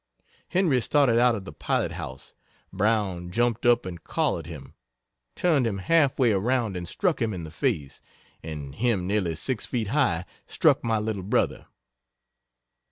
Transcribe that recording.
Henry started out of the pilot house Brown jumped up and collared him turned him half way around and struck him in the face! and him nearly six feet high struck my little brother.